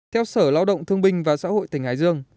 theo sở lao động thương binh và xã hội tỉnh hải dương